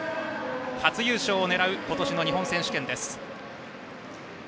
初優勝を狙う今年の日本選手権。